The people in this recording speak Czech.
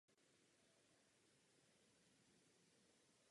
K jeho vzniku bylo použito velké množství loveckých psů z celé Evropy.